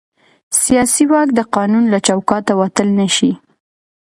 سیاسي واک د قانون له چوکاټه وتل نه شي